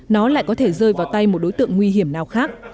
nó lại có thể rơi vào tay một đối tượng nguy hiểm nào khác